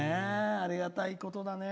ありがたいことだね。